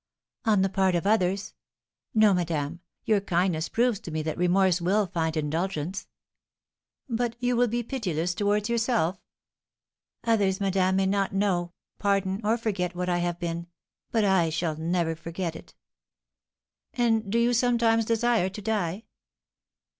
"On the part of others no, madame, your kindness proves to me that remorse will find indulgence." "But you will be pitiless towards yourself?" "Others, madame, may not know, pardon, or forget what I have been, but I shall never forget it!" "And do you sometimes desire to die?"